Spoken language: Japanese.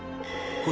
これ。